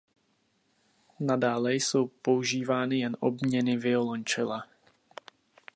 Nadále jsou používány jen obměny violoncella.